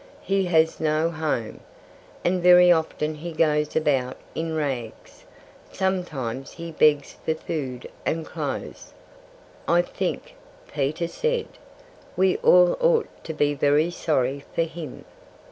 He has no home. And very often he goes about in rags. Sometimes he begs for food and clothes. I think," Peter said, "we all ought to be very sorry for him."